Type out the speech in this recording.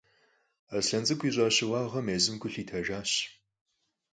Аслъэн цӏыкӏу ищӏа щыуагъэм езым гу лъитэжащ.